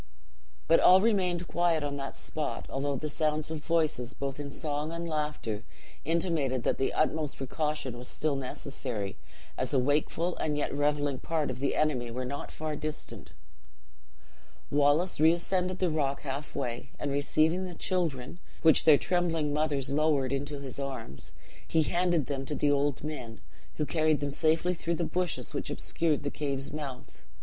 But all remained quiet on that spot, although the sounds of voices, both in song and laughter, intimated that the utmost precaution was still necessary, as a wakeful and yet reveling part of the enemy were not far distant. "Wallace reascended the rock half way; and receiving the children, which their trembling mothers lowered into this arms, he handed them to the old men, who carried them safely through the bushes which obscured the cave's mouth.